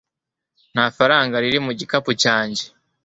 nta faranga riri mu gikapu cyanjye